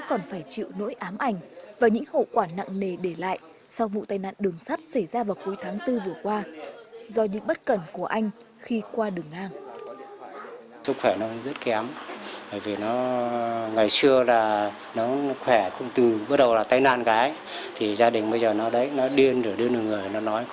cảm ơn quý vị và các bạn đã theo dõi